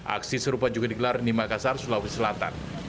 aksi serupa juga digelar di makassar sulawesi selatan